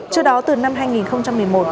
trước đó từ năm hai nghìn một mươi một